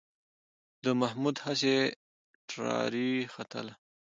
د محمود هسې ټراري ختله.